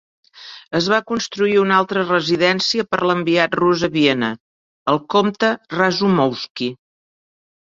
Es va construir una altra residència per l'enviat rus a Viena, el comte Razumovsky.